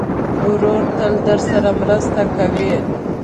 ورور تل درسره مرسته کوي.